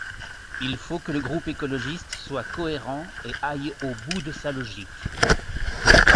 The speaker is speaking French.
Il faut que le groupe écologiste soit cohérent et aille au bout de sa logique.